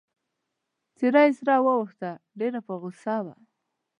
څېره يې سره واوښته، ډېره په غوسه وه.